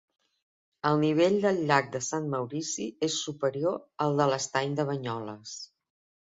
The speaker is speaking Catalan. El nivell del llac de Sant Maurici és superior al de l'estany de Banyoles.